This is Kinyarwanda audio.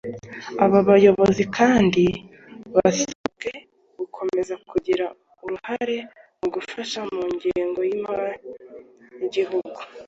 Aba bayobozi kandi banasabwe gukomeza kugira uruhare mu gufasha mu ngengo y’imari y’iguhugu